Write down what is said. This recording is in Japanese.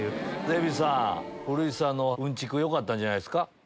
デヴィさん古市さんのうんちくよかったんじゃないですか？